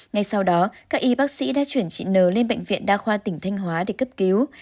ngay sau đó các y bác sĩ đã chuyển chị n lên bệnh viện đa khoa tỉnh thanh hóa để cấp cứu